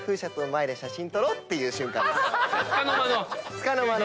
つかの間の？